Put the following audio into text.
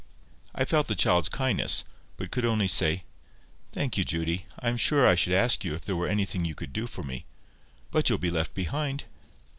I felt the child's kindness, but could only say— "Thank you, Judy. I am sure I should ask you if there were anything you could do for me. But you'll be left behind."